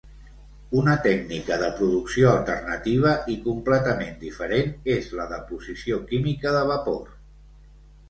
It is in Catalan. Una tècnica de producció alternativa i completament diferent és la deposició química de vapor.